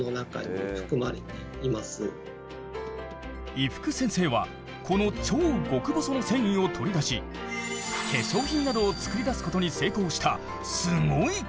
伊福先生はこの超極細の繊維を取り出し化粧品などを作り出すことに成功したすごい研究者。